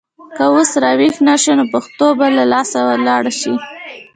که اوس راویښ نه شو نو پښتو به له لاسه لاړه شي.